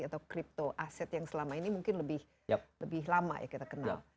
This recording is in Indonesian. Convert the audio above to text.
atau crypto aset yang selama ini mungkin lebih lama ya kita kenal